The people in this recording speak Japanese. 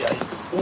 お！